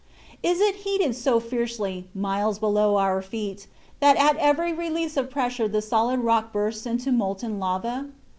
Is it heated so fiercely, miles below our feet, that at every release of pressure the solid rock bursts into molten lava?